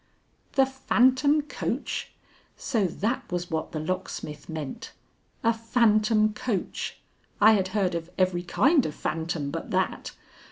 _" The phantom coach! So that was what the locksmith meant. A phantom coach! I had heard of every kind of phantom but that.